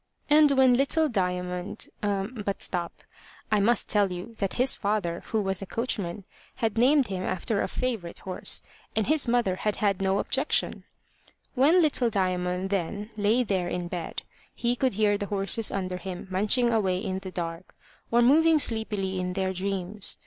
And when little Diamond but stop: I must tell you that his father, who was a coachman, had named him after a favourite horse, and his mother had had no objection: when little Diamond, then, lay there in bed, he could hear the horses under him munching away in the dark, or moving sleepily in their dreams.